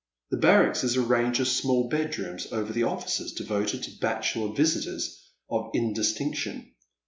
The baiTacks is a range of small bedrooms over the offices, devoted to bachelor visitors of indistinction.